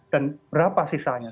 dan berapa sisanya